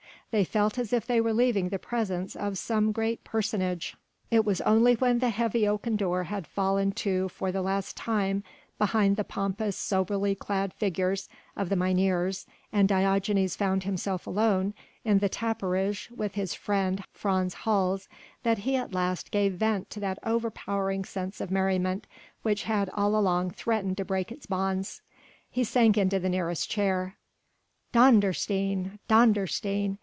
They felt as if they were leaving the presence of some great personage. It was only when the heavy oaken door had fallen to for the last time behind the pompous soberly clad figures of the mynheers and Diogenes found himself alone in the tapperij with his friend Frans Hals that he at last gave vent to that overpowering sense of merriment which had all along threatened to break its bonds. He sank into the nearest chair: "Dondersteen! Dondersteen!"